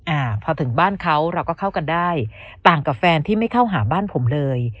อ่าพอถึงบ้านเขาเราก็เข้ากันได้ต่างกับแฟนที่ไม่เข้าหาบ้านผมเลย